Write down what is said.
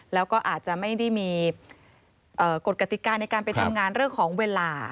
แล้วก็อาจจะไม่ได้มีกฎกติกาในการไปทำงานเรื่องของเวลา